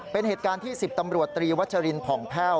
เป็นเหตุการณ์ที่๑๐ตำรวจตรีวัชรินผ่องแพ่ว